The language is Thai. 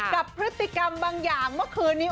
กับพฤติกรรมบางอย่างเมื่อคืนนี้